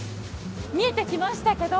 見えてきましたけど。